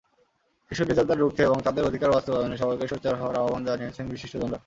শিশু নির্যাতন রুখতে এবং তাদের অধিকার বাস্তবায়নে সবাইকে সোচ্চার হওয়ার আহ্বান জানিয়েছেন বিশিষ্টজনরা।